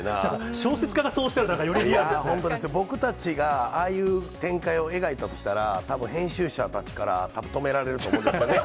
小説家がそうおっしゃるんだ僕たちがああいう展開を描いたとしたら、たぶん編集者たちから止められると思いますね。